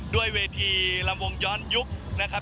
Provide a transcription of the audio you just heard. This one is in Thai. ด้วยเวทีลำวงย้อนยุคนะครับ